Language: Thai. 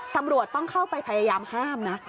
ตำรวจต้องเข้าไปพยายามห้ามนะ